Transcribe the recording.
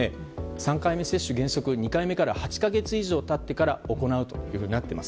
３回目接種原則２回目から８か月以上経ってから行うというふうになっています。